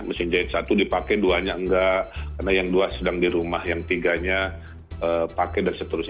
mesin jahit satu dipakai dua nya enggak karena yang dua sedang di rumah yang tiganya pakai dan seterusnya